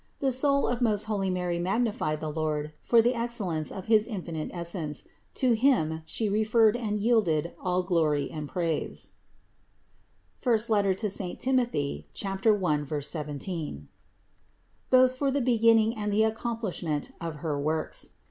The soul of most holy Mary magnified the Lord for the excellence of his infinite Essence; to Him She referred and yielded all glory and praise (I Tim. 1, 17), both for the beginning and the accomplishment of her works.